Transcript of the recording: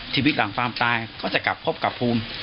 ทีวิทย์หลังฟาร์มตายก็จะกลับพบกับภูมิ